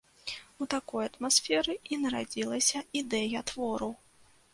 У такой атмасферы і нарадзілася ідэя твору.